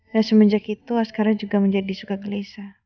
dan semenjak itu askara juga menjadi suka ke lisa